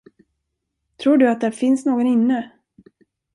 Tror du att där finns någon inne?